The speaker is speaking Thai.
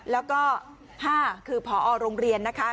แล้วก็๕คือพอโรงเรียนนะคะ